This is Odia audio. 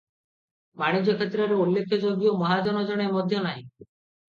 ବାଣିଜ୍ୟକ୍ଷେତ୍ରରେ ଉଲ୍ଲେଖ୍ୟଯୋଗ୍ୟ ମହାଜନ ଜଣେ ମଧ୍ୟ ନାହିଁ ।